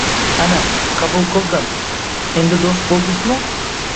“Ana, qabul qildim, endi do’st bo’ldikmi?”